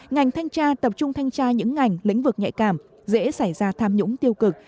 ngành thanh tra tập trung thanh tra những ngành lĩnh vực nhạy cảm dễ xảy ra tham nhũng tiêu cực